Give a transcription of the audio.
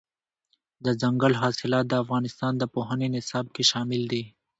دځنګل حاصلات د افغانستان د پوهنې نصاب کې شامل دي.